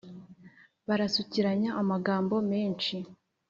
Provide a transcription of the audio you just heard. Barasukiranya amagambo menshi